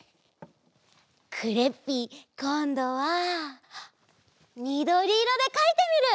クレッピーこんどはみどりいろでかいてみる！